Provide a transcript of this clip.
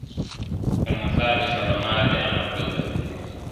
پر مزار د شالمار دي انارګل درته لیکمه ..